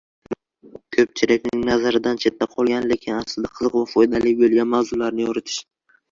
Ko‘pchilikning nazaridan chetda qolgan, lekin aslida qiziq va foydali bo‘lgan mavzularni yoritish.